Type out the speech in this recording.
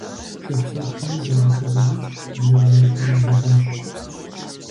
Шапсыгъхэм загъэхьэзыращ, зызэщӀаузэдащ.